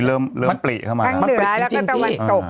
เริ่มปรีกเข้ามานะ